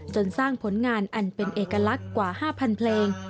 จนสร้างผลงานอันเป็นเอกลักษณ์กว่า๕๐๐เพลง